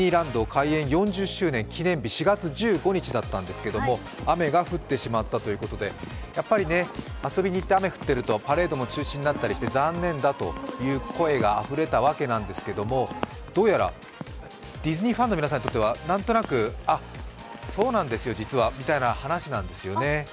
開園４０周年記念日、雨が降ってしまったということでやっぱり遊びに行って雨降ってるとパレードも中止になったりして残念だという声があふれたわけなんですけれども、どうやらディズニーファンの皆さんにとっては、なんとなくあ、そうなんですよ、実はみたいな話なんですよね。